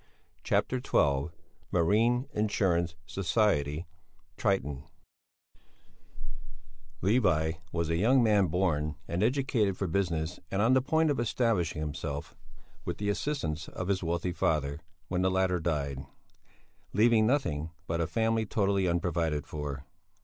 CHAPTER XII MARINE INSURANCE SOCIETY "TRITON" Levi was a young man born and educated for business and on the point of establishing himself with the assistance of his wealthy father, when the latter died, leaving nothing but a family totally unprovided for.